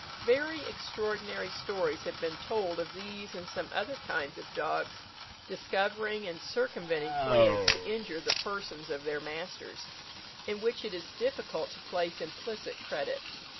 Very extraordinary stories have been told of these and some other kinds of dogs discovering and circumventing plans to injure the persons of their masters, in which it is difficult to place implicit credit.